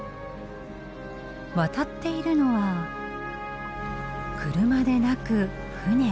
渡っているのは車でなく船。